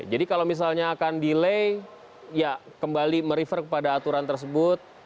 jadi kalau misalnya akan delay ya kembali merefer kepada aturan tersebut